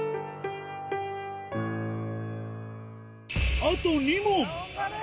あと２問。